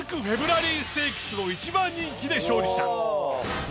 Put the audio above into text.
フェブラリーステークスも１番人気で勝利した。